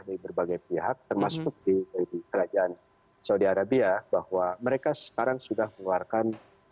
dari berbagai pihak termasuk di kerajaan saudi arabia bahwa mereka sekarang sudah mengeluarkan